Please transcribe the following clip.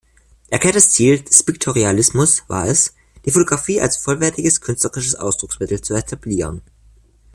Erklärtes Ziel des Piktorialismus war es, die Fotografie als vollwertiges künstlerisches Ausdrucksmittel zu etablieren.